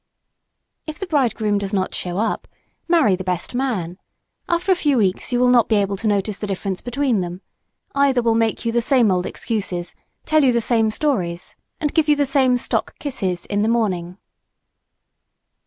If the bridegroom does not show up, marry the best man. After a few weeks you will not be able to notice the difference between them. Either will make you the same old excuses, tell you the same stories and give you the same "stock" kisses in the morning.